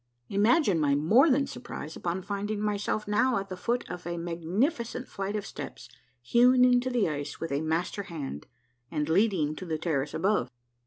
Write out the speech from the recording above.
Imagine my more than surprise upon finding myself now at the foot of a magnificent flight of steps, hewn into the ice with a master hand, and leading to the terrace above.